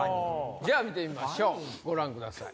じゃあ見てみましょうご覧ください